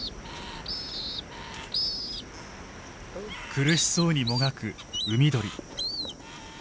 苦しそうにもがく海鳥。